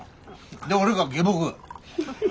で俺が下僕。